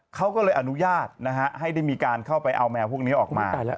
เขาก็เลยอนุญาตนะฮะให้ได้มีการเข้าไปเอาแมวพวกนี้ออกมา